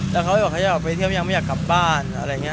แต่เค้าก็ก็มาเที่ยวยังไม่อยากกลับบ้านอะไรอย่างนี้